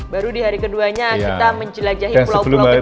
baru di hari keduanya kita menjelajahi pulau pulau kecil